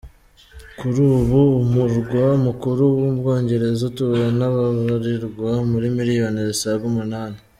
Kuri ubu umurwa mukuru w’u Bwongereza utuwe n’ababarirwa muri miliyoni zisaga umunani.